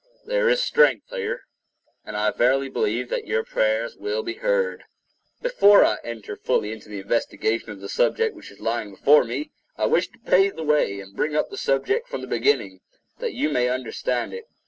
There is strength here, and I verily believe that your prayers will be heard. Before I enter fully into the investigation of the subject which is lying before me, I wish to pave the way and bring up the subject from the beginning, that you may understand it.